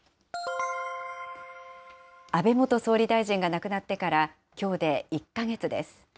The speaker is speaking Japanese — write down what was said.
安倍元総理大臣が亡くなってからきょうで１か月です。